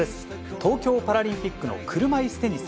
東京パラリンピックの車いすテニス。